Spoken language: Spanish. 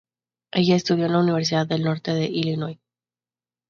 Ella estudió en la Universidad del Norte de Illinois.